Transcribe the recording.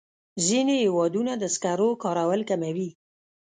ځینې هېوادونه د سکرو کارول کموي.